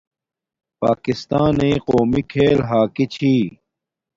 پاکستانݵ قومی کھیل ھاکی چھی